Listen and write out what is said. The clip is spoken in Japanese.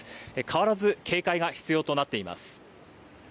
変わらず警戒が必要となっています。